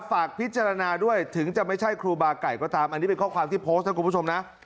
ฝากพิจารณาด้วยถึงจะไม่ใช่ครูบาไก่ก็ตามอันนี้เป็นข้อความที่โพสต์นะคุณผู้ชมนะ